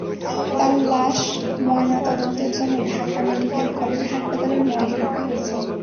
তাঁর লাশ ময়নাতদন্তের জন্য ঢাকা মেডিকেল কলেজ হাসপাতালের মর্গে রাখা হয়েছে।